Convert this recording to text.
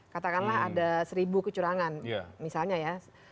katakanlah ada seribu kecurangan misalnya ya